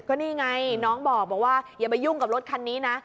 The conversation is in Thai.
ก็นี่ไงน้องบอกว่าอย่าไปยุ่งกับรถคันนี้นะ